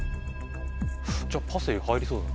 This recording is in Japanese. じゃパセリ入りそうだな。